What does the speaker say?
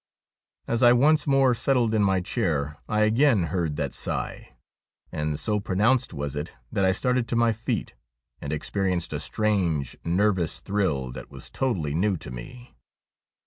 As I once more settled in my chair I again heard that sigh, and so pronounced was it that I started to my feet, and experienced a strange nervous thrill that was totally new to me.